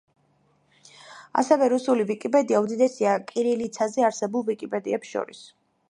ასევე, რუსული ვიკიპედია უდიდესია კირილიცაზე არსებულ ვიკიპედიებს შორის.